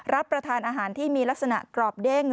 รับประทานอาหารที่มีลักษณะกรอบเด้ง